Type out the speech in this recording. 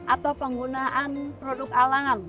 atau penggunaan produk alangan